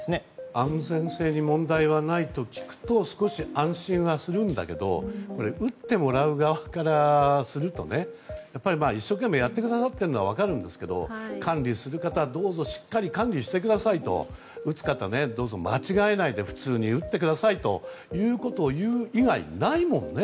安全性に問題がないと聞くと少し安心はするんだけど打ってもらう側からするとねやっぱり一生懸命やってくださっているのは分かるんですけど管理する方、どうぞしっかり管理してくださいと打つ方は、どうぞ間違えないで普通に打ってくださいという以外ないものね。